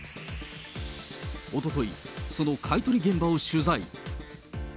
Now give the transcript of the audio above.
おととい、その買い取り現場を取材。